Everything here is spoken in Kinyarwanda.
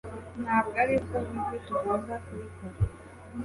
Ntabwo aribwo buryo tugomba kubikora